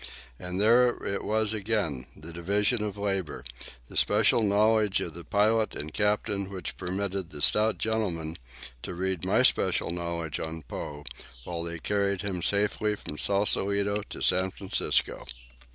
And there it was again, the division of labour, the special knowledge of the pilot and captain which permitted the stout gentleman to read my special knowledge on Poe while they carried him safely from Sausalito to San Francisco.